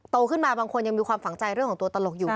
โตขึ้นมาบางคนยังมีความฝังใจเรื่องของตัวตลกอยู่